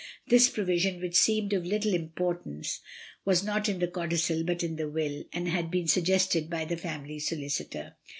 This provision, which seemed of little importance, was not in the codicil but in the will, and had been suggested by the family solicitor.